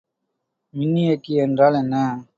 மின்னியக்கி என்றால் என்ன?